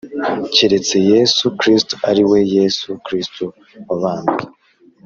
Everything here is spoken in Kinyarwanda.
Keretse yesu kristo ari we yesu kristo wabambwe